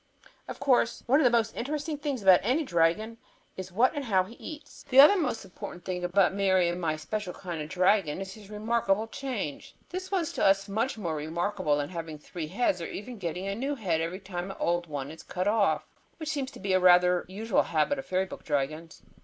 Of course one of the most important things about any dragon is what and how he eats; and the other most important thing about Mary's and my special kind of dragon is his remarkable change. This was to us much more remarkable than having three heads or even getting a new head every time an old one is cut off, which seems to be rather a usual habit of fairy book dragons.